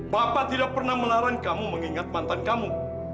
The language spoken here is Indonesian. bapak tidak pernah melarang kamu mengingat mantan kamu